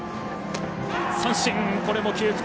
三振。